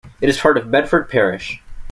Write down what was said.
It is part of Bedford Parish.